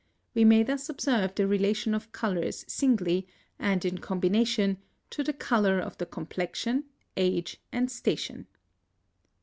We may thus observe the relation of colours singly, and in combination, to the colour of the complexion, age, and station.